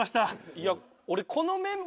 いや俺。